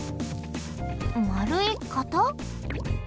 まるい型？